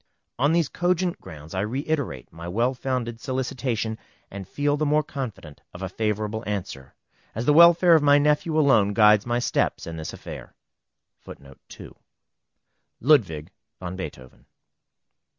On these cogent grounds I reiterate my well founded solicitation, and feel the more confident of a favorable answer, as the welfare of my nephew alone guides my steps in this affair. LUDWIG VAN BEETHOVEN.